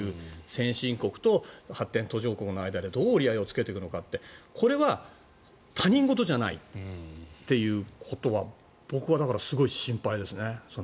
先進国と発展途上国の間でどう折り合いをつけるのかこれは他人事じゃないというのは僕はすごい心配ですね。